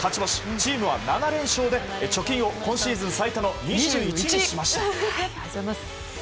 チームは７連勝で貯金を今シーズン最多の２１にしました。